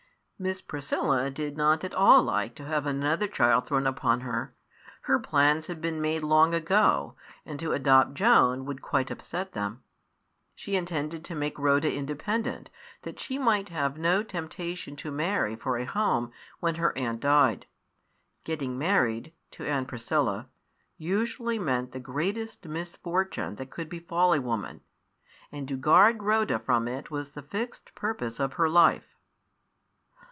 Miss Priscilla did not at all like to have another child thrown upon her. Her plans had been laid long ago, and to adopt Joan would quite upset them. She intended to make Rhoda independent, that she might have no temptation to marry for a home when her aunt died. Getting married, to Aunt Priscilla, usually meant the greatest misfortune that could befall a woman; and to guard Rhoda from it was the fixed purpose of her life.